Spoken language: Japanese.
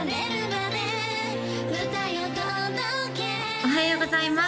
おはようございます